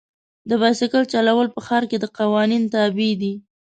د بایسکل چلول په ښار کې د قوانین تابع دي.